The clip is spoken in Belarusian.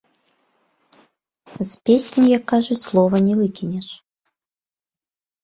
З песні, як кажуць, слова не выкінеш.